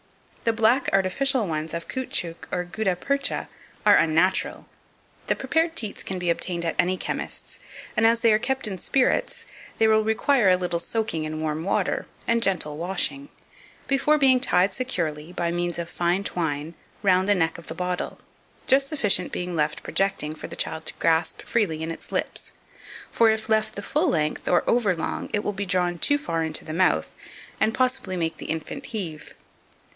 The black artificial ones of caoutchouc or gutta percha are unnatural. The prepared teats can be obtained at any chemist's, and as they are kept in spirits, they will require a little soaking in warm water, and gentle washing, before being tied securely, by means of fine twine, round the neck of the bottle, just sufficient being left projecting for the child to grasp freely in its lips; for if left the full length, or over long, it will be drawn too far into the mouth, and possibly make the infant heave.